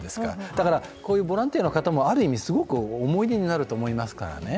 だからボランティアの方もある意味すごく思い出になると思いますからね。